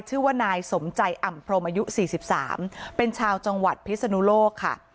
ชื่อว่านายสมใจอ่ำพรมอายุ๔๓เป็นชาวจังหวัดพิศนุโลกค่ะ